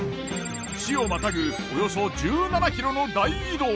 市をまたぐおよそ１７ｋｍの大移動。